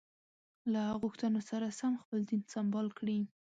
له غوښتنو سره سم خپل دین سمبال کړي.